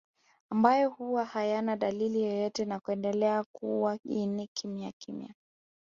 Ambayo huwa hayana dalili yoyote na kuendelea kuua ini kimyakimya